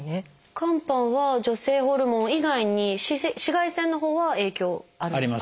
肝斑は女性ホルモン以外に紫外線のほうは影響あるんですか？